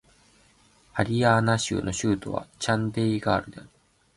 ハリヤーナー州の州都はチャンディーガルである